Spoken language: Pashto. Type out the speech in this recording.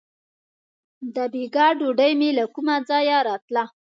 • د بېګا ډوډۍ مې له کومه ځایه راتله.